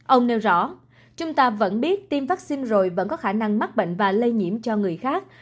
ông nêu rõ chúng ta vẫn biết tiêm vaccine rồi vẫn có khả năng mắc bệnh và lây nhiễm cho người khác